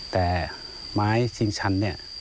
แต่ไม้ชิงชัน